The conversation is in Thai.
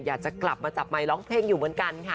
อยากจะกลับมาจับไมค์ร้องเพลงอยู่เหมือนกันค่ะ